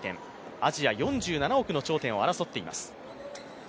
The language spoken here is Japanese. アジア４７億の頂点を争っています。